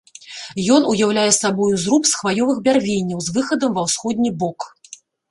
Ён уяўляе сабою зруб з хваёвых бярвенняў з выхадам ва ўсходні бок.